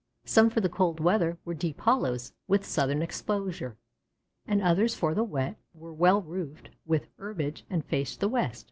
Some for the cold weather were deep hollows with southern exposure, and others for the wet were well roofed with herbage and faced the west.